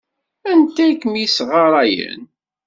Anta ay kem-yessɣarayen?